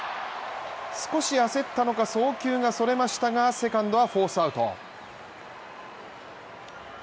少し焦ったのか送球がそれましたがセカンドはフォースアウト。